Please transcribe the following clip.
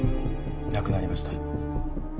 亡くなりました。